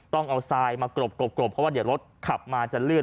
ต้องเอาทรายมากรบเพราะว่าเดี๋ยวรถขับมาจะเลื่อน